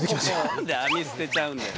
何で網捨てちゃうんだよ。